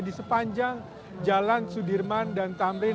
di sepanjang jalan sudirman dan tamrin